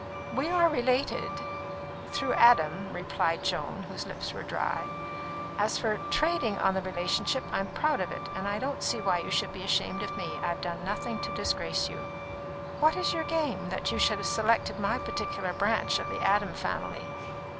"We are related through Adam," replied Joan, whose lips were dry. "As for 'trading' on the relationship, I'm proud of it, and I don't see why you should be ashamed of me. I've done nothing to disgrace you." "What is your game, that you should have selected my particular branch of the Adam family?"